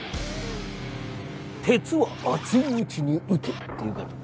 「鉄は熱いうちに打て」っていうけど。